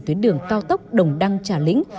tuyến đường cao tốc đồng đăng trà lĩnh